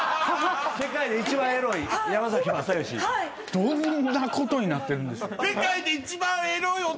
どんなことになってるんでしょうか？